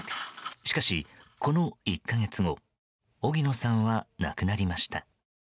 しかし、この１か月後荻野さんは亡くなりました。